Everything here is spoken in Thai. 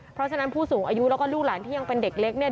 เพราะฉะนั้นผู้สูงอายุแล้วก็ลูกหลานที่ยังเป็นเด็กเล็กเนี่ย